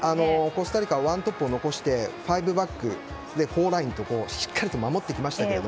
コスタリカは１トップを残して５バック４ラインとしっかり守ってきましたけど。